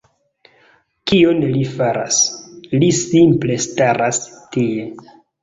Kion li faras? Li simple staras tie!